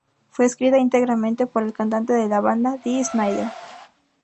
Fue escrita íntegramente por el cantante de la banda, Dee Snider.